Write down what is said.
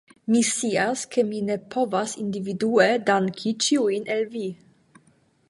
Mi scias, ke mi ne povas individue danki ĉiujn el vi